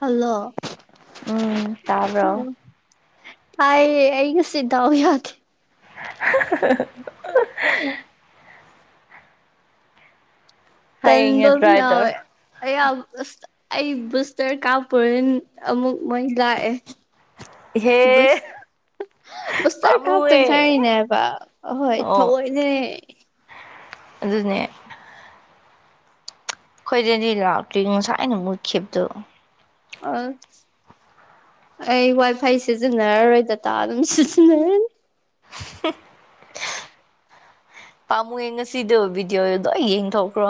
hello um ꯇꯥꯕ꯭ꯔꯣ ꯇꯥꯏꯌꯦ ꯑꯩ ꯉꯁꯤ ꯗꯥꯎ ꯌꯥꯗꯦ [unintelligible] [unintelligible] ꯍꯌꯦꯡꯅꯦ ꯇꯟꯕꯝ ꯌꯥꯎꯋꯦ ꯇ꯭ꯔꯥꯏꯇꯔ ꯑꯩꯌꯥ ꯕꯨꯁ ꯑꯩ ꯕꯨꯁꯇꯔ ꯀꯥꯞꯄꯨꯔꯟ ꯑꯃꯨꯛ ꯃꯩ ꯂꯥꯛꯑꯦ ꯏꯍꯦ ꯕꯨꯁ ꯕꯨꯁꯇꯔ ꯀꯥꯞꯇꯪ [unintelligible] ꯅꯦꯕ ꯑꯍꯣꯏ ꯑꯣ ꯊꯑꯣꯏꯅꯦ ꯑꯗꯨꯅꯦ ꯑꯩꯈꯣꯏꯗꯗꯤ ꯂꯥꯛꯇꯦ ꯉꯁꯥꯏꯅ ꯃꯨꯠꯈꯤꯕꯗꯨ ꯑꯁ ꯑꯩ ꯋꯥꯏ ꯐꯥꯏ ꯁꯤꯖꯤꯟꯅꯔꯔꯣꯏ ꯗꯇꯥ ꯑꯗꯨꯝ ꯁꯤꯖꯤꯟꯅꯔꯅꯤ [unintelligible] ꯄꯥꯝꯃꯨꯌꯦ ꯉꯁꯤꯗꯨ ꯚꯤꯗꯤꯌꯣ ꯂꯣꯏ ꯌꯦꯡꯊꯣꯛꯈ꯭ꯔꯣ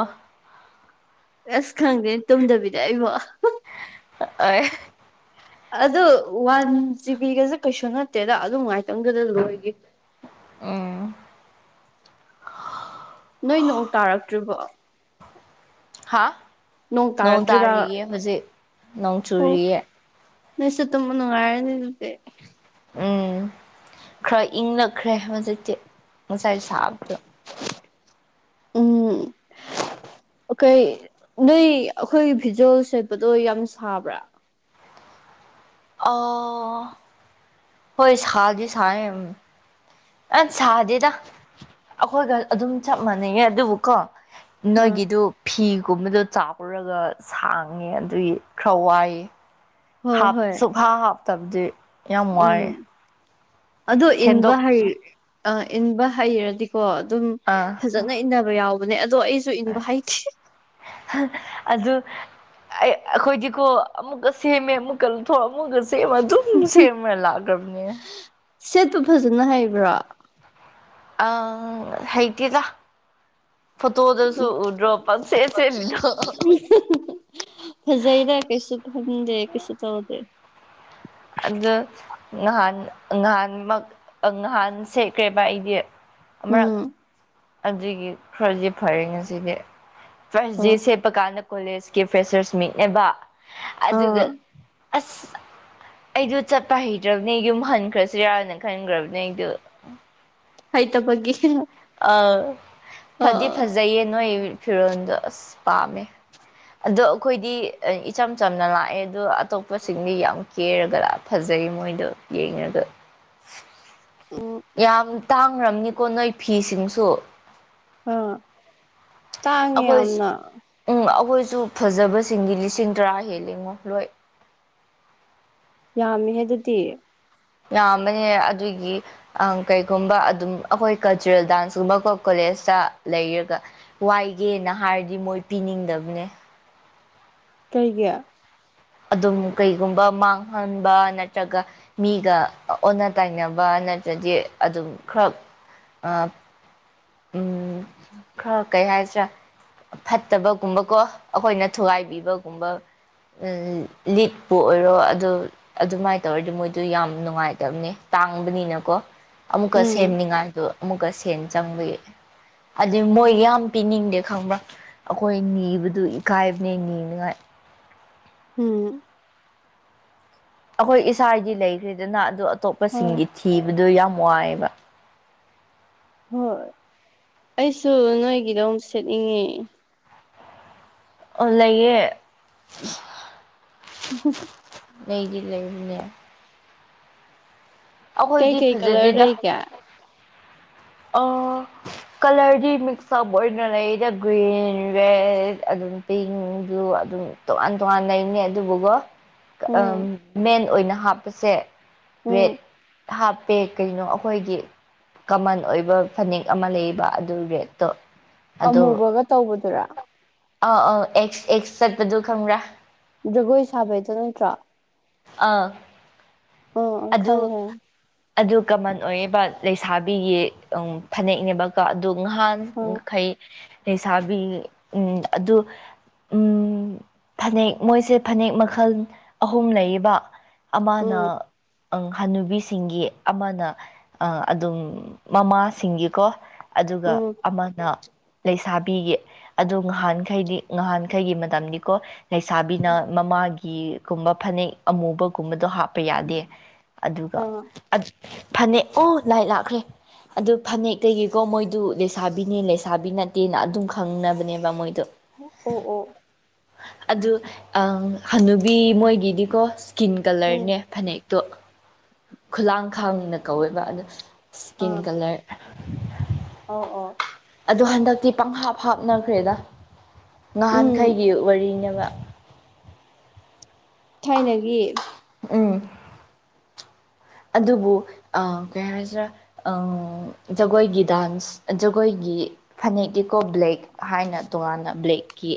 ꯑꯁ ꯈꯪꯗꯦ ꯇꯨꯝꯗꯕꯤꯗ ꯑꯩꯕꯨ [unintelligible] [inaudible] ꯑꯗꯨ ꯋꯥꯟ ꯖꯤꯕꯤꯒꯖꯦ ꯀꯩꯁꯨ ꯅꯠꯇꯦꯗ ꯑꯗꯨꯝ ꯉꯥꯏꯇꯪꯗꯨꯗ ꯂꯣꯏꯒꯤ ꯎꯝ [unintelligible] ꯅꯣꯏ ꯅꯣꯡ ꯇꯥꯔꯛꯇ꯭ꯔꯤꯕꯣ ꯍꯥ ꯅꯣꯡ ꯇꯥꯔꯛꯇ꯭ꯔꯤꯕ ꯇꯥꯔꯤꯌꯦ ꯑꯣ ꯍꯧꯖꯤꯛ ꯅꯣꯡ ꯆꯨꯔꯤꯌꯦ ꯅꯣꯏꯁꯨ ꯇꯨꯝꯕ ꯅꯨꯡꯉꯥꯏꯔꯅꯤ ꯅꯨꯄꯤ ꯎꯝ ꯈꯔ ꯏꯪꯂꯛꯈ꯭ꯔꯦ ꯍꯧꯖꯤꯛꯇꯤ ꯉꯁꯥꯏ ꯁꯥꯕꯗꯨ ꯎꯝ ꯑ ꯀꯩ ꯅꯣꯏ ꯑꯩꯈꯣꯏ ꯐꯤꯖꯣꯜ ꯁꯦꯠꯄꯗꯣ ꯌꯥꯝ ꯁꯥꯕ꯭ꯔꯥ ꯑꯥ ꯍꯣꯏ ꯁꯥꯗꯤ ꯁꯥꯏꯌꯦꯝ ꯑꯠ ꯁꯥꯗꯦꯗ ꯑꯩꯈꯣꯏꯒ ꯑꯗꯨꯝ ꯆꯞ ꯃꯥꯟꯅꯩꯌꯦ ꯑꯗꯨꯕꯨꯀꯣ ꯑꯥ ꯅꯣꯏꯒꯤꯗꯨ ꯐꯤꯒꯨꯝꯕꯗꯣ ꯆꯥꯎꯔꯒ ꯁꯥꯡꯉꯦ ꯑꯗꯨꯏ ꯈꯔ ꯋꯥꯏꯌꯦ ꯍꯣꯏ ꯍꯥꯞ ꯍꯣꯏ ꯁꯨꯛꯍꯥꯞ ꯍꯥꯞꯇꯕꯗꯤ ꯌꯥꯝ ꯋꯥꯌꯦ ꯑꯗꯨ ꯏꯟꯕ ꯍꯩ ꯑ ꯏꯟꯕ ꯍꯩꯔꯗꯤꯀꯣ ꯑꯗꯨꯝ ꯑꯥ ꯐꯖꯅ ꯏꯟꯅ ꯕ ꯌꯥꯎꯕꯅꯦ ꯑꯗꯣ ꯑꯩꯁꯨ ꯏꯟꯕ ꯍꯩꯊꯤ [unintelligible] ꯑꯗꯨ ꯑꯩ ꯑꯈꯣꯏꯗꯤꯀꯣ ꯑꯃꯨꯛꯀ ꯁꯦꯝꯃꯦ ꯑꯃꯨꯛꯀ ꯂꯧꯊꯣꯛ ꯑꯃꯨꯛꯀ ꯁꯦꯝꯃ ꯇꯨꯝ ꯁꯦꯝꯔꯥ ꯂꯥꯛꯈ꯭ꯔꯕꯅꯦ ꯁꯦꯠꯄ ꯐꯖꯅ ꯍꯩꯕ꯭ꯔꯣ ꯑꯥ ꯍꯩꯇꯦꯗ ꯐꯣꯇꯣꯗꯁꯨ ꯎꯗ꯭ꯔꯣ ꯄꯪꯁꯦꯠ ꯁꯦꯠꯂꯤꯗꯣ [unintelligible] ꯐꯖꯩꯗ ꯀꯩꯁꯨ ꯈꯟꯗꯦ ꯀꯩꯁꯨ ꯇꯧꯗꯦ ꯑꯗꯨ ꯉꯍꯥꯟ ꯉꯍꯥꯟꯃꯛ ꯉꯍꯥꯟ ꯁꯦꯠꯈ꯭ꯔꯦꯕ ꯑꯩꯗꯤ ꯑꯃꯔꯛ ꯎꯝ ꯑꯗꯨꯒꯤ ꯈꯔꯗꯤ ꯐꯩꯌꯦ ꯉꯁꯤꯗꯤ ꯐꯥꯔꯁ ꯗꯦ ꯑꯣ ꯁꯦꯠꯄ ꯀꯥꯟꯗ ꯀꯣꯂꯦꯖꯀꯤ ꯐꯦꯁ꯭ꯔꯁ ꯃꯤꯠꯅꯦꯕ ꯑꯥ ꯑꯗꯨꯒ ꯑꯁ ꯑꯩꯗꯨ ꯆꯠꯄ ꯍꯩꯗ꯭ꯔꯕꯅꯦ ꯌꯨꯝ ꯍꯟꯈ꯭ꯔꯁꯤꯔꯅ ꯈꯟꯈ꯭ꯔꯕꯅꯦ ꯑꯩꯗꯣ ꯍꯩꯇꯕꯒꯤ [unintelligible] ꯑ ꯐꯗꯤ ꯑꯥ ꯐꯖꯩꯌꯦ ꯅꯣꯏ ꯐꯤꯔꯣꯟꯗꯣ ꯑꯁ ꯄꯥꯝꯃꯦ ꯑꯗꯣ ꯑꯩꯈꯣꯏꯗꯤ ꯏꯆꯝ ꯆꯝꯅ ꯂꯥꯛꯑꯦ ꯑꯗꯨ ꯑꯇꯣꯞꯄꯁꯤꯡꯗꯤ ꯌꯥꯝ ꯀꯦꯔꯒ ꯂꯛ ꯐꯖꯩ ꯃꯣꯏꯗꯣ ꯌꯦꯡꯉꯒ [unintelligible] ꯌꯥꯝ ꯇꯥꯡꯔꯝꯅꯤꯀꯣ ꯅꯣꯏ ꯐꯤꯁꯤꯡꯁꯨ ꯑ ꯇꯥꯡꯉꯦ ꯑꯩꯈꯣꯏ ꯌꯥꯝꯅ ꯎꯝ ꯑꯈꯣꯏꯁꯨ ꯐꯖꯕꯁꯤꯡꯗꯤ ꯂꯤꯁꯤꯡ ꯇꯔꯥ ꯍꯦꯜꯂꯤꯉꯣ ꯂꯣꯏ ꯌꯥꯝꯃꯤꯍꯦ ꯑꯗꯨꯗꯤ ꯌꯥꯝꯃꯦ ꯑꯗꯨꯒꯤ ꯑ ꯀꯩꯒꯨꯝꯕ ꯑꯗꯨꯝ ꯑꯩꯈꯣꯏ ꯀꯜꯆꯔꯦꯜ ꯗꯥꯟꯁ ꯀꯨꯝꯕꯀꯣ ꯀꯣꯂꯦꯖꯇ ꯂꯩꯔꯒ ꯋꯥꯏꯒꯦꯅ ꯍꯥꯏꯔꯗꯤ ꯃꯣꯏ ꯄꯤꯅꯤꯡꯗꯕꯅꯦ ꯀꯩꯒꯤ ꯑꯗꯨꯝ ꯀꯩꯒꯨꯝꯕ ꯃꯥꯡꯍꯟꯕ ꯅꯠꯇ꯭ꯔꯒ ꯃꯤꯒ ꯑꯣꯟꯅ ꯇꯩꯅꯕ ꯅꯠꯇ꯭ꯔꯗꯤ ꯑꯗꯨꯝ ꯈꯔ ꯑ ꯎꯝ ꯈꯔ ꯀꯩ ꯍꯥꯏꯁꯤꯔ ꯐꯠꯇꯕꯒꯨꯝꯕ ꯀꯣ ꯑꯈꯣꯏꯅ ꯊꯨꯒꯥꯏꯕꯤꯕꯒꯨꯝꯕ ꯎꯝ ꯂꯤꯛꯄꯨ ꯑꯣꯏꯔꯣ ꯑꯗꯨ ꯑꯗꯨꯃꯥꯏ ꯇꯧꯔꯗꯤ ꯃꯣꯏꯗꯣ ꯌꯥꯝ ꯅꯨꯡꯉꯥꯏꯇꯝꯅꯦ ꯇꯥꯡꯕꯅꯤꯅꯀꯣ ꯑꯃꯨꯛꯀ ꯎꯝ ꯁꯦꯝꯅꯤꯡꯉꯥꯏꯗꯣ ꯑꯃꯨꯛꯀ ꯁꯦꯟ ꯆꯪꯕꯒꯤ ꯑꯗꯨ ꯃꯣꯏ ꯌꯥꯝ ꯄꯤꯅꯤꯡꯗꯦ ꯈꯪꯕ꯭ꯔ ꯑꯈꯣꯏ ꯅꯤꯕꯗꯨ ꯏꯀꯥꯏꯕꯅꯦ ꯅꯤꯅꯤꯉꯥꯏ ꯎꯝ ꯑꯈꯣꯏ ꯏꯁꯥꯒꯤ ꯂꯩꯈ꯭ꯔꯦꯗꯅ ꯑꯗꯨ ꯍꯣꯏ ꯑꯇꯣꯞꯄꯁꯤꯡꯒꯤ ꯊꯤꯕꯗꯣ ꯌꯥꯝ ꯋꯥꯏꯕ ꯍꯣꯏ ꯑꯩꯁꯨ ꯅꯣꯏꯒꯤꯗꯣ ꯑꯝ ꯁꯦꯠꯅꯤꯡꯉꯦ ꯑꯣ ꯂꯩꯌꯦ [unintelligible] ꯂꯩꯗꯤ ꯂꯩꯕꯅꯦ ꯀꯩ ꯑꯩꯈꯣꯏꯗꯤ ꯀꯩ ꯀꯂꯔ ꯐꯖꯗꯦꯗ ꯂꯩꯒꯦ ꯑ ꯀꯂ꯭ꯔꯗꯤ ꯃꯤꯛꯁꯞ ꯑꯣꯏꯅ ꯂꯩꯗ ꯒ꯭ꯔꯦ ꯔꯦꯗ ꯑꯗꯨꯝ ꯄꯤꯡ ꯕ꯭ꯂꯨ ꯑꯗꯨꯝ ꯇꯣꯉꯥꯟ ꯇꯣꯉꯥꯟ ꯂꯩꯝꯅꯤ ꯑꯗꯨꯕꯨꯒꯣ ꯎꯝ ꯑꯥ ꯃꯦꯟ ꯑꯣꯏꯅ ꯍꯥꯞꯄꯁꯦ ꯔꯦꯠ ꯎꯝ ꯍꯥꯞ ꯇꯦ ꯀꯩꯅꯣ ꯑꯈꯣꯏꯒꯤ ꯀꯃꯟ ꯑꯣꯏꯕ ꯐꯅꯦꯛ ꯑꯃ ꯂꯩꯕ ꯑꯗꯨ ꯔꯦꯠꯇꯣ ꯑꯗꯣ ꯑꯃꯨꯕꯒ ꯇꯧꯕꯗꯨꯔꯥ ꯑꯥ ꯑꯥ ꯑꯦꯛꯁ ꯑꯦꯛꯁ ꯆꯠꯄꯗꯨ ꯈꯪꯕ꯭ꯔꯥ ꯖꯒꯣꯏ ꯁꯥꯕꯩꯗꯣ ꯅꯠꯇ꯭ꯔꯣ ꯑꯥ ꯑ ꯑꯗꯨ ꯈꯪꯉꯦ ꯈꯪꯉꯦ ꯑꯗꯨ ꯀꯃꯟ ꯑꯣꯏꯌꯦꯕ ꯂꯩꯁꯥꯕꯤꯒꯤ ꯐꯅꯦꯛꯅꯦꯕ ꯀ ꯑꯗꯨ ꯉꯍꯥꯟ ꯎꯝ ꯃꯈꯩ ꯂꯩꯁꯥꯕꯤ ꯎꯝ ꯑꯗꯨ ꯎꯝ ꯐꯅꯦꯛ ꯃꯣꯏꯁꯦ ꯐꯅꯦꯛ ꯃꯈꯜ ꯑꯍꯨꯝ ꯂꯩ ꯂꯩꯌꯦꯕ ꯑꯃꯅ ꯎꯝ ꯑꯪ ꯍꯥꯟꯅꯨꯕꯤꯁꯤꯡꯒꯤ ꯑꯃꯅ ꯑꯗꯨꯝ ꯃꯃꯥꯁꯤꯡꯒꯤꯀꯣ ꯑꯗꯨꯒ ꯎꯝ ꯑꯃꯅ ꯂꯩꯁꯥꯕꯤꯒꯤ ꯑꯗꯣ ꯉꯍꯥꯟꯈꯩꯗꯤ ꯉꯍꯥꯟꯈꯩꯒꯤ ꯃꯇꯝꯗꯤꯀꯣ ꯂꯩꯁꯥꯕꯤꯅ ꯃꯃꯥꯒꯤ ꯒꯤꯒꯨꯝꯕ ꯐꯅꯦꯛ ꯑꯃꯨꯕꯒꯨꯝꯕꯗꯣ ꯍꯥꯞꯄ ꯌꯥꯗꯦ ꯑꯗꯨꯒ ꯑ ꯐꯅꯦꯛ ꯑꯨ ꯂꯥꯏꯠ ꯂꯥꯛꯈ꯭ꯔꯦ ꯑꯗꯨ ꯐꯅꯦꯛꯇꯒꯤꯀꯣ ꯃꯣꯏꯗꯨ ꯂꯩꯁꯥꯕꯤꯅꯦ ꯂꯩꯁꯥꯕꯤ ꯅꯠꯇꯦꯅ ꯑꯗꯨꯝ ꯈꯪꯅꯕꯅꯦꯕ ꯃꯣꯏꯗꯣ ꯑꯣ ꯑꯣ ꯑꯗꯨ ꯍꯅꯨꯕꯤ ꯃꯣꯏꯒꯤꯗꯤꯀꯣ ꯏꯁꯀꯤꯟ ꯎꯝ ꯀꯂꯔꯅꯦ ꯐꯅꯦꯛꯇꯣ ꯈꯨꯂꯥꯡꯈꯥꯡꯅ ꯀꯧꯋꯦꯕ ꯑ ꯑ ꯑꯣ ꯑꯣ ꯑꯗꯣ ꯍꯟꯗꯛꯇꯤ ꯄꯪꯍꯥꯞ ꯍꯥꯞꯅꯈ꯭ꯔꯦꯗ ꯎꯝ ꯉꯍꯥꯟꯈꯩꯒꯤ ꯋꯥꯔꯤꯅꯦꯕ ꯊꯥꯏꯅꯒꯤ ꯎꯝ ꯑꯗꯨꯕꯨ ꯀꯩ ꯍꯥꯏꯁꯤꯔꯥ ꯑ ꯖꯒꯣꯏꯒꯤ ꯗꯥꯟꯁ ꯖꯒꯣꯏꯒꯤ ꯐꯅꯦꯛꯛꯇꯤꯀꯣ ꯕ꯭ꯂꯦꯛ ꯍꯥꯏꯅ ꯇꯣꯉꯥꯟꯅ ꯕ꯭ꯂꯦꯛꯀꯤ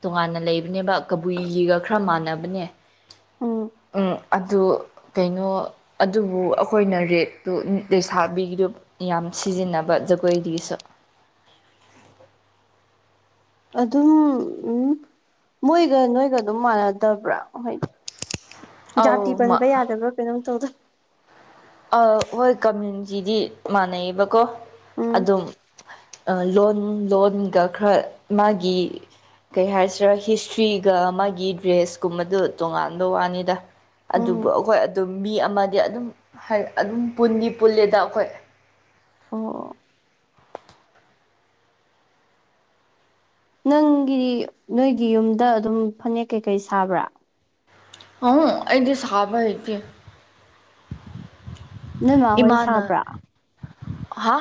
ꯇꯣꯉꯥꯟꯅ ꯂꯩꯕꯅꯦꯕ ꯀꯕꯨꯏꯒꯤꯒ ꯈꯔ ꯃꯥꯟꯅꯕꯅꯦ ꯎꯝ ꯑꯗꯨ ꯀꯩꯅꯣ ꯑꯗꯨꯕꯨ ꯑꯩꯈꯣꯏꯅ ꯔꯦꯠꯇꯨ ꯂꯩꯁꯥꯕꯤꯒꯤꯗꯨ ꯌꯥꯝ ꯁꯤꯖꯤꯟꯅꯕ ꯖꯒꯣꯏꯒꯤꯁꯨ ꯑꯗꯨꯝ ꯎꯝ ꯃꯣꯏꯒ ꯅꯣꯏꯒ ꯑꯗꯨꯝ ꯃꯥꯟꯅꯗꯕ꯭ꯔꯥ ꯍꯣꯏꯗꯤ ꯑꯧ ꯖꯥꯇꯤ ꯄꯟꯕ ꯌꯥꯗꯕ꯭ꯔꯥ ꯀꯩꯅꯣꯝ ꯇꯧꯗꯥꯏ ꯍꯣꯏ ꯀꯝꯃꯌꯨꯅꯤꯇꯤꯗꯤ ꯃꯥꯟꯅꯩꯌꯦꯕꯀꯣ ꯎꯝ ꯑꯗꯨꯝ ꯂꯣꯟ ꯂꯣꯟꯒ ꯈꯔ ꯃꯥꯒꯤ ꯀꯩ ꯍꯥꯏꯁꯤꯔꯥ ꯍꯤꯁꯇ꯭ꯔꯤꯒ ꯃꯥꯒꯤ ꯗ꯭ꯔꯦꯁꯀꯨꯝꯕꯗ ꯇꯣꯉꯥꯟꯕ ꯋꯥꯅꯤꯗ ꯎꯝ ꯑꯗꯨꯕꯨ ꯑꯩꯈꯣꯏ ꯑꯗꯨꯝ ꯃꯤ ꯑꯃꯗꯤ ꯑꯗꯨꯝ ꯑꯗꯨꯝ ꯄꯨꯟꯗꯤꯄꯨꯜꯂꯦꯗ ꯑꯩꯈꯣꯏ ꯑꯣ ꯅꯪꯒꯤ ꯅꯣꯏꯒꯤ ꯌꯨꯝꯗ ꯑꯗꯨꯝ ꯐꯅꯦꯛ ꯀꯩꯀꯩ ꯁꯥꯕ꯭ꯔꯥ ꯑꯩꯗꯤ ꯁꯥꯕ ꯍꯩꯇꯦ ꯅꯣꯏ ꯃꯥꯍꯣꯏ ꯏꯃꯥꯅꯥ ꯁꯥꯕ꯭ꯔꯥ ꯍꯥ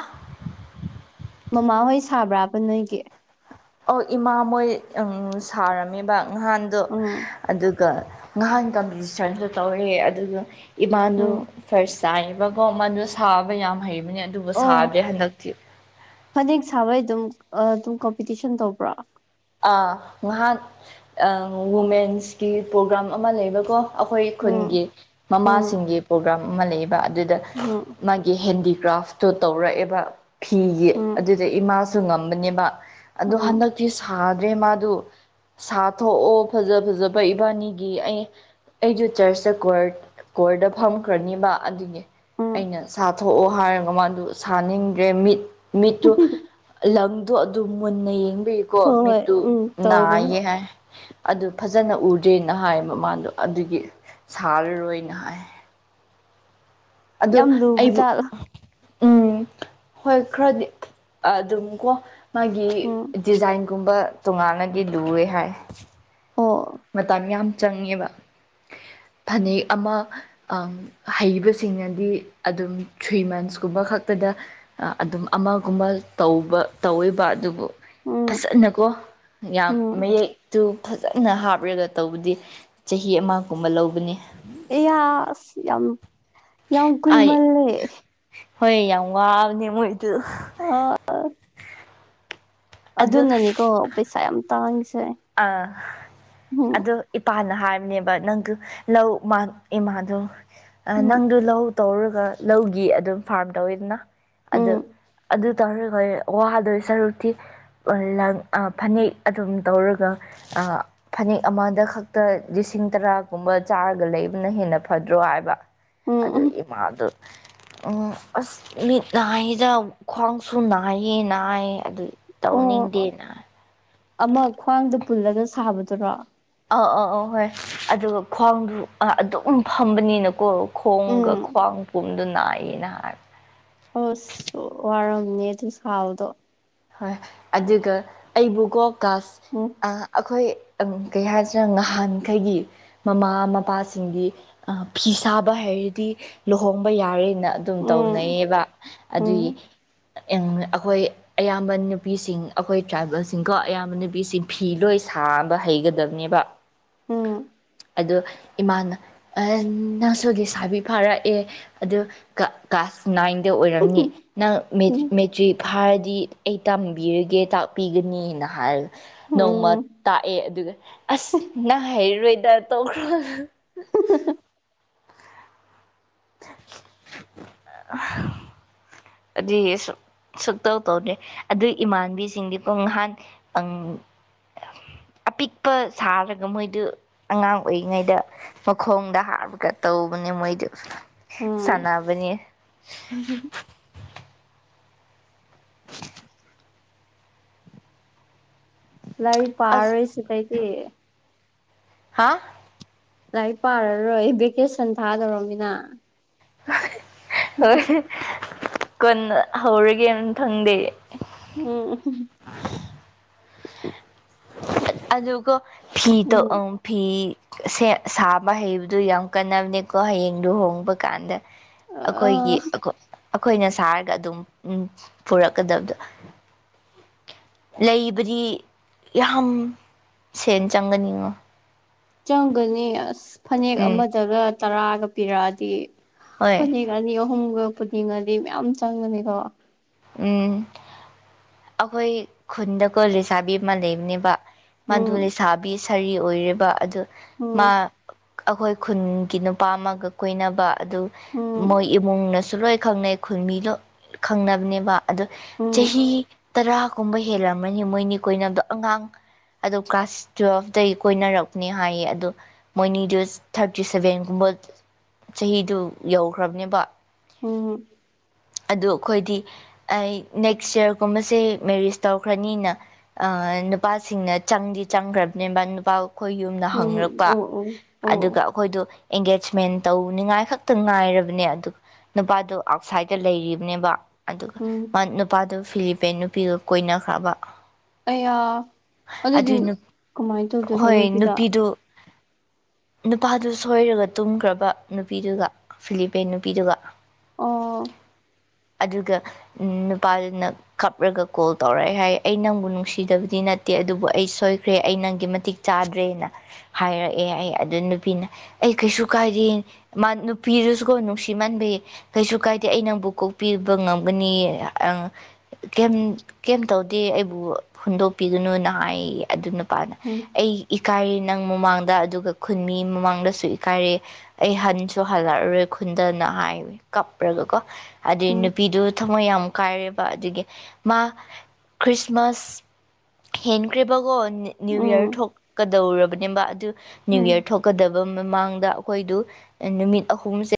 ꯃꯃꯥꯍꯣꯏ ꯁꯥꯕ꯭ꯔꯥꯕ ꯅꯣꯏꯒꯤ ꯑꯧ ꯏꯃꯥ ꯃꯣꯏ ꯁꯥꯔꯝꯃꯤꯕ ꯉꯍꯥꯟꯗꯣ ꯎꯝ ꯑꯗꯨ ꯉꯍꯥꯟ ꯀꯝꯄꯤꯇꯤꯁꯟꯁꯨ ꯇꯧꯋꯦ ꯑꯗꯨꯒ ꯏꯃꯥꯗꯣ ꯎꯝ ꯐꯥꯔꯁ ꯆꯥꯏꯔꯤꯕꯀꯣ ꯃꯗꯨ ꯁꯥꯕ ꯌꯥꯝ ꯍꯩꯕꯅꯦ ꯑꯗꯨꯕꯨ ꯑꯣ ꯁꯥꯗꯔꯦ ꯍꯟꯗꯛꯇꯤ ꯐꯅꯦꯛ ꯁꯥꯕꯩ ꯑꯗꯨꯝ ꯑꯗꯨꯝ ꯀꯝꯄꯤꯇꯤꯁꯟ ꯇꯧꯕ꯭ꯔꯣ ꯉꯍꯥꯟ ꯋꯨꯃꯦꯟꯁꯀꯤ ꯄ꯭ꯔꯣꯒ꯭ꯔꯥꯝ ꯑꯃ ꯂꯩꯕꯀꯣ ꯑꯩꯈꯣꯏ ꯎꯝ ꯈꯨꯟꯒꯤ ꯎꯝ ꯃꯃꯥꯁꯤꯡꯒꯤ ꯄ꯭ꯔꯣꯒ꯭ꯔꯥꯝ ꯑꯃ ꯂꯩꯕ ꯑꯗꯨꯗ ꯎꯝ ꯃꯥꯒꯤ ꯍꯦꯟꯗꯤꯀ꯭ꯔꯥꯐ ꯇꯣ ꯇꯧꯔꯛꯑꯦꯕ ꯐꯤꯒꯤ ꯎꯝ ꯑꯗꯨꯗ ꯏꯃꯥꯁꯨ ꯉꯝꯕꯅꯦꯕ ꯑꯗꯣ ꯎꯝ ꯍꯟꯗꯛꯇꯤ ꯁꯥꯗ꯭ꯔꯦ ꯃꯥꯗꯨ ꯁꯥꯊꯣꯛꯑꯣ ꯐꯖ ꯐꯖꯕ ꯏꯕꯥꯅꯤꯒꯤ ꯑꯩ ꯑꯩꯁꯨ ꯆꯔꯁꯇ ꯀꯣꯔꯠ ꯀꯣꯔꯠꯗ ꯐꯝꯈ꯭ꯔꯅꯤꯕ ꯑꯗꯨꯅꯤ ꯎꯝ ꯑꯩꯅ ꯁꯥꯊꯣꯛꯑꯣ ꯍꯥꯏꯔꯒ ꯃꯥꯗꯨ ꯁꯥꯅꯤꯡꯗ꯭ꯔꯦ ꯃꯤꯠ ꯃꯤꯠꯇꯨ ꯂꯪꯗꯣ ꯑꯗꯨꯝ ꯃꯨꯟꯅ ꯌꯦꯡꯕꯤꯌꯤꯀꯣ ꯍꯣꯏ ꯍꯣꯏ ꯃꯤꯠꯇꯨ ꯎꯝ ꯇꯧꯕꯅꯦ ꯅꯥꯏꯌꯦ ꯍꯥꯏ ꯑꯗꯨ ꯐꯖꯅ ꯎꯗ꯭ꯔꯦꯅ ꯍꯥꯏꯕ ꯃꯥꯗꯣ ꯑꯗꯨꯒꯤ ꯁꯥꯔꯔꯣꯏꯅ ꯍꯥꯏ ꯑꯗꯨ ꯌꯥꯝ ꯂꯨꯕ ꯑꯩꯕꯨ ꯖꯥꯠꯂꯥ ꯎꯝ ꯍꯣꯏ ꯈ꯭ꯔꯗꯤ ꯑꯗꯨꯝ ꯀꯣ ꯃꯥꯒꯤ ꯎꯝ ꯗꯤꯖꯥꯏꯟꯒꯨꯝꯕ ꯇꯣꯉꯥꯟꯅꯒꯤ ꯂꯨꯋꯦ ꯍꯥꯏ ꯑꯣ ꯃꯇꯝ ꯌꯥꯝ ꯆꯪꯉꯦꯕ ꯐꯅꯦꯛ ꯑꯃ ꯑꯝ ꯍꯩꯕꯁꯤꯡꯅꯗꯤ ꯑꯗꯨꯝ ꯊ꯭ꯔꯤ ꯃꯟꯁꯀꯨꯝꯕ ꯈꯛꯇꯗ ꯑꯗꯨꯝ ꯑꯃꯒꯨꯝꯕ ꯇꯧꯕ ꯇꯧꯋꯦꯕ ꯑꯗꯨꯕꯨ ꯎꯝ ꯐꯖꯅꯀꯣ ꯌꯥꯝ ꯎꯝ ꯃꯌꯦꯛꯇꯨ ꯐꯖꯅ ꯍꯥꯞ ꯔꯒ ꯇꯧꯕꯗꯤ ꯆꯍꯤ ꯑꯃꯒꯨꯝꯕ ꯂꯧꯕꯅꯤ ꯑꯌꯥ ꯑꯁ ꯌꯥꯝ ꯌꯥꯝ ꯑꯩ ꯀꯨꯏꯃꯜꯂꯦ ꯍꯣꯏ ꯌꯥꯝ ꯋꯥꯕꯅꯦ ꯃꯣꯏꯗꯨ ꯑ [unintelligible] ꯑꯗꯨ ꯑꯗꯨꯅꯅꯤꯀꯣ ꯄꯩꯁꯥ ꯌꯥꯝ ꯇꯥꯡꯉꯤꯁꯦ ꯑ ꯎꯝ ꯑꯗꯨ ꯏꯄꯥꯅ ꯍꯥꯏꯕꯅꯦꯕ ꯅꯪꯗꯨ ꯂꯧ [unintelligible] ꯎꯝ ꯅꯪꯗꯨ ꯂꯧ ꯇꯧꯔꯒ ꯂꯧꯒꯤ ꯑꯗꯨꯝ ꯐꯥꯔꯝ ꯇꯧꯋꯤꯗꯅ ꯑꯗꯨ ꯎꯝ ꯑꯗꯨ ꯇꯧꯔꯒ ꯑꯣꯏꯅ ꯋꯥꯗꯣꯏ ꯁꯔꯨꯛꯇꯤ ꯂꯪ ꯑ ꯐꯅꯦꯛ ꯑꯗꯨꯝ ꯇꯧꯔꯒ ꯑ ꯐꯅꯦꯛ ꯑꯃꯗ ꯈꯛꯇ ꯂꯤꯁꯤꯡ ꯇꯔꯥꯒꯨꯝꯕ ꯆꯥꯔꯒ ꯂꯩꯕꯅ ꯍꯦꯟꯅ ꯐꯗ꯭ꯔꯣ ꯍꯥꯏꯕ ꯎꯝ ꯑꯗꯨ ꯎꯝ ꯏꯃꯥꯗꯨ ꯎꯝ ꯑꯁ ꯃꯤꯠ ꯅꯥꯏꯗ ꯈ꯭ꯋꯥꯡꯁꯨ ꯅꯥꯏꯌꯦ ꯅꯥꯏ ꯑꯗꯨ ꯑꯣ ꯇꯧꯅꯤꯡꯗꯦꯅꯥ ꯑꯃ ꯈ꯭ꯋꯥꯡꯗ ꯄꯨꯜꯂꯒ ꯁꯥꯕꯗꯨꯔꯣ ꯑꯥ ꯑꯥ ꯑꯧ ꯍꯣꯏ ꯑꯗꯨꯒ ꯈ꯭ꯋꯥꯡꯗꯨ ꯑꯗꯨꯝ ꯐꯝꯕꯅꯤꯅꯀꯣ ꯈꯣꯡꯒ ꯎꯝ ꯈ꯭ꯋꯥꯡ ꯄꯨꯝꯗꯨ ꯅꯥꯏꯌꯦꯅ ꯍꯥꯏꯕ ꯑꯁ ꯋꯥꯔꯝꯅꯤꯌꯦ ꯑꯗꯨ ꯁꯥꯥꯕꯗꯣ ꯍꯣꯏ ꯑꯗꯨꯒ ꯑꯩꯕꯨꯀꯣ ꯀꯥꯁ ꯎꯝ ꯑ ꯑꯩꯈꯣꯏ ꯑꯪ ꯀꯩꯍꯥꯏꯁꯤꯔ ꯅꯍꯥꯟꯈꯩꯒꯤ ꯃꯃꯥ ꯃꯄꯥꯁꯤꯡꯗꯤ ꯐꯤ ꯁꯥꯕ ꯍꯩꯔꯗꯤ ꯂꯨꯍꯣꯡꯕ ꯌꯥꯔꯦ ꯅ ꯑꯗꯨꯝ ꯎꯝ ꯇꯧꯅꯩꯌꯦꯕ ꯎꯝ ꯑꯗꯨꯒꯤ ꯑꯩꯈꯣꯏ ꯑꯌꯥꯝꯕ ꯅꯨꯄꯤꯁꯤꯡ ꯑꯩꯈꯣꯏ ꯇ꯭ꯔꯥꯏꯕꯦꯜꯁꯤꯡꯀꯣ ꯑꯌꯥꯝꯕ ꯅꯨꯄꯤꯁꯤꯡ ꯐꯤ ꯂꯣꯏ ꯁꯥꯕ ꯍꯩꯒꯗꯕꯅꯦꯕ [inaudible] ꯑꯗꯨ ꯏꯃꯥꯅ ꯑꯦ ꯅꯪꯁꯨ ꯂꯩꯁꯥꯕꯤ ꯐꯥꯔꯛꯑꯦ ꯑꯗꯨ ꯀ ꯀ꯭ꯂꯥꯁ ꯅꯥꯏꯟꯗ ꯑꯣꯏꯔꯝꯅꯤ ꯅꯪ ꯃꯦꯇ꯭ꯔꯤ ꯃꯦꯇ꯭ꯔꯤꯛ ꯐꯥꯔꯗꯤ ꯑꯩ ꯇꯝꯕꯤꯔꯒꯦ ꯇꯥꯛꯄꯤꯒꯅꯤꯅ ꯍꯥꯏꯔꯦ ꯅꯣꯡꯃ ꯎꯝ ꯇꯥꯛꯑꯦ ꯑꯗꯨꯒ ꯑꯁ ꯅꯪ ꯍꯩꯔꯔꯣꯏꯗ ꯇꯣꯛꯈ꯭ꯔꯣ [unintelligible] [unintelligible] ꯑꯗꯨꯏ ꯑꯩꯁꯨ ꯁꯨꯛꯇꯧ ꯇꯧꯗꯦ ꯑꯗꯨꯏ ꯏꯃꯥꯟꯕꯤꯁꯤꯡꯗꯤ ꯄꯨꯡ ꯅꯍꯥꯟ ꯑꯪ ꯑꯄꯤꯛꯄ ꯁꯥꯔꯒ ꯃꯣꯏꯗꯨ ꯑꯉꯥꯡ ꯑꯣꯏꯔꯤꯉꯩꯗ ꯃꯈꯣꯡꯗ ꯍꯥꯞꯄꯒ ꯇꯧꯕꯅꯦ ꯃꯣꯏꯗꯨ ꯎꯝ ꯁꯥꯟꯅꯕꯅꯦ [unintelligible] ꯂꯥꯏꯔꯤꯛ ꯑꯁ ꯄꯥꯔꯔꯣꯏ ꯁꯤꯗꯩꯗꯤ ꯍꯥꯥ ꯂꯥꯏꯔꯤꯛ ꯄꯥꯔꯔꯣꯏ ꯚꯦꯀꯦꯁꯟ ꯊꯥꯗꯧꯔꯝꯃꯤꯅ ꯍꯣꯏ ꯀꯟꯅ ꯍꯧꯔꯒꯦ ꯃꯊꯪꯗꯤ ꯎꯝ ꯑꯗꯨꯀꯣ ꯐꯤꯇꯣ ꯑꯥ ꯎꯝ ꯐꯤ ꯁꯥꯕ ꯍꯩꯕꯗꯨ ꯌꯥꯝ ꯀꯟꯅꯕꯅꯦꯀꯣ ꯍꯌꯦꯡ ꯂꯨꯍꯣꯡꯕ ꯀꯥꯟꯗ ꯑ ꯑꯩꯈꯣꯏꯒꯤ ꯑꯩꯈꯣꯏꯅ ꯁꯥꯔꯒ ꯑꯗꯨꯝ ꯎꯝ ꯄꯨꯔꯛꯀꯗꯕꯗꯣ ꯂꯩꯕꯗꯤ ꯌꯥꯝ ꯁꯦꯟ ꯆꯪꯒꯅꯤꯉꯣ ꯆꯪꯒꯅꯤ ꯑꯁ ꯐꯅꯦꯛ ꯎꯝ ꯑꯃꯗꯒ ꯇꯔꯥꯒ ꯄꯤꯔꯛꯑꯗꯤ ꯍꯣꯏ ꯐꯅꯦꯛ ꯔꯥꯅꯤ ꯑꯍꯨꯝꯒ ꯄꯨꯟꯅꯤꯡꯒꯗꯤ ꯃꯌꯥꯝ ꯆꯪꯒꯅꯤꯀꯣ ꯎꯝ ꯑꯩꯈꯣꯏ ꯈꯨꯟꯗꯀꯣ ꯂꯩꯁꯥꯕꯤ ꯑꯃ ꯂꯩꯕꯅꯦꯕ ꯃꯗꯨ ꯎꯝ ꯂꯩꯁꯥꯕꯤ ꯁꯥꯔꯤ ꯑꯣꯏꯦꯔꯤꯕ ꯑꯗꯨ ꯃꯥ ꯎꯝ ꯑꯩꯈꯣꯏ ꯈꯨꯟꯒꯤ ꯅꯨꯄꯥ ꯑꯃꯒ ꯀꯨꯏꯅꯕ ꯑꯗꯨ ꯃꯣꯏ ꯎꯝ ꯏꯃꯨꯡꯅꯁꯨ ꯂꯣꯏ ꯈꯪꯅꯩ ꯈꯨꯟ ꯃꯤꯗꯣ ꯈꯪꯅꯕꯅꯦꯕ ꯑꯗꯣ ꯎꯝ ꯆꯍꯤ ꯇꯔꯥꯒꯨꯝꯕ ꯍꯦꯜꯂꯝꯃꯅꯤ ꯃꯣꯏꯅꯤ ꯀꯣꯏꯅꯕꯗꯣ ꯑꯉꯥꯡ ꯑꯗꯨ ꯀ꯭ꯂꯥꯁ ꯇꯨꯋꯦꯜꯐꯇꯒꯤ ꯀꯣꯏꯅꯔꯛꯄꯅꯦ ꯍꯥꯏꯌꯦ ꯑꯗꯨ ꯃꯣꯏꯅꯤꯗꯨ ꯊꯥꯔꯇꯤ ꯁꯚꯦꯟꯒꯨꯝꯕ ꯆꯍꯤꯗꯨ ꯌꯧꯈ꯭ꯔꯕꯅꯦꯕ ꯎꯝ ꯑꯗꯨ ꯑꯩꯈꯣꯏꯗꯤ ꯑꯩ ꯅꯦꯛꯁ ꯌꯔꯒꯨꯝꯕꯁꯦ ꯃꯦꯔꯤꯁ ꯇꯧꯈ꯭ꯔꯅꯤꯅ ꯑꯥ ꯅꯨꯄꯥꯁꯤꯡꯅ ꯆꯪꯗꯤ ꯆꯪꯈ꯭ꯔꯕꯅꯦ ꯅꯨꯄꯥ ꯈꯣꯏ ꯌꯨꯝꯅ ꯎꯝ ꯍꯅꯔꯛꯄ ꯑꯣ ꯑꯣ ꯑꯣ ꯑꯗꯨꯒ ꯑꯩꯈꯣꯏꯗꯣ ꯑꯦꯡꯒꯦꯖꯃꯦꯟ ꯇꯧꯅꯤꯉꯥꯏ ꯈꯛꯇꯪ ꯉꯥꯏꯔꯕꯅꯦ ꯑꯗꯨ ꯅꯨꯄꯥꯗꯣ ꯑꯥꯎꯠꯁꯥꯏꯗꯠꯇ ꯂꯩꯈꯤꯕꯅꯦꯕ ꯑꯗꯨꯒ ꯎꯝ ꯅꯨꯄꯥꯗꯨ ꯐꯤꯂꯤꯄꯦꯟ ꯅꯨꯄꯤꯒ ꯀꯣꯏꯅꯈ꯭ꯔꯕ ꯑꯩꯌꯥ ꯑꯗꯨꯗꯤ ꯑꯗꯨꯏ ꯀꯃꯥꯏꯅ ꯇꯧꯗꯣꯏꯕ ꯍꯣꯏ ꯅꯨꯄꯤꯗ ꯅꯨꯄꯤꯗꯨ ꯅꯨꯄꯥꯗꯨ ꯁꯣꯏꯔꯒ ꯇꯨꯝꯈ꯭ꯔꯕ ꯅꯨꯄꯤꯗꯨꯒ ꯐꯤꯂꯤꯄꯦꯟ ꯅꯨꯄꯤꯗꯨꯒ ꯑꯣ ꯑꯗꯨꯒ ꯅꯨꯄꯥꯗꯨꯅ ꯈꯞꯔꯒ ꯀꯣꯜ ꯇꯧꯔꯛꯑꯦ ꯍꯥꯏ ꯑꯩ ꯅꯪꯕꯨ ꯅꯨꯡꯁꯤꯗꯕꯗꯤ ꯅꯠꯇꯦ ꯑꯗꯨꯕꯨ ꯑꯩ ꯁꯣꯏꯈ꯭ꯔꯦ ꯑꯩ ꯅꯪꯒꯤ ꯃꯇꯤꯛ ꯆꯥꯗ꯭ꯔꯦꯅ ꯍꯥꯏꯔꯛꯑꯦ ꯑꯩ ꯑꯗꯨ ꯅꯨꯄꯤꯅ ꯑꯩ ꯀꯩꯁꯨ ꯀꯥꯏꯗꯦ ꯅꯨꯄꯤꯗꯨꯁꯨꯀꯣ ꯅꯨꯡꯁꯤꯃꯟꯕꯩ ꯀꯩꯁꯨ ꯀꯥꯏꯗꯦ ꯑꯩ ꯅꯪꯕꯨ ꯀꯣꯛꯄꯤꯕ ꯉꯝꯒꯅꯤ ꯑꯥ ꯀꯩꯝ ꯇꯧꯗꯦ ꯑꯩꯕꯨ ꯍꯨꯟꯗꯣꯛꯄꯤꯒꯅꯨꯅ ꯍꯥꯏ ꯑꯗꯨꯅ ꯅꯨꯄꯥꯅ ꯎꯝ ꯑꯩ ꯏꯀꯥꯏꯔꯦ ꯅꯪ ꯃꯃꯥꯡꯗ ꯑꯗꯨꯒ ꯈꯨꯟ ꯃꯤ ꯃꯃꯥꯡꯗꯁꯨ ꯏꯀꯥꯏꯔꯦ ꯑꯩ ꯍꯟꯁꯨ ꯍꯜꯂꯛꯑꯔꯣꯏ ꯈꯨꯟꯗꯅ ꯍꯥꯏ ꯀꯞ꯭ꯔꯒ ꯀꯣ ꯑꯗꯨꯏ ꯎꯝ ꯅꯨꯄꯤꯗꯨ ꯊꯝꯃꯣꯏ ꯌꯥꯝ ꯀꯥꯏꯔꯦꯕ ꯑꯗꯨꯗꯒꯤ ꯃꯥ ꯈ꯭ꯔꯤꯁꯃꯥꯁ ꯍꯦꯟꯈ꯭ꯦꯔꯤꯕꯀꯣ ꯅꯤꯌꯨ ꯌꯥꯔ ꯎꯝ ꯊꯣꯛꯀꯗꯧꯔꯕꯅꯦꯕ ꯑꯗꯨ ꯅ꯭ꯌꯨ ꯎꯝ ꯌꯔ ꯊꯣꯛꯀꯗꯕ ꯃꯃꯥꯡꯗ ꯑꯩꯈꯣꯏꯗꯨ ꯅꯨꯃꯤꯠ ꯑꯍꯨꯝꯁꯦ